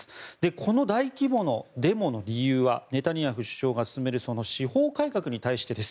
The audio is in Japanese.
この大規模のデモの理由はネタニヤフ首相が進める司法改革に対してです。